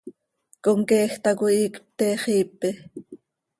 Comqueej tacoi iicp pte xiipe.